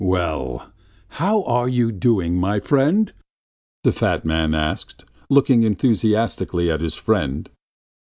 "Well, how are you doing my friend?" the fat man asked, looking enthusiastically at his friend.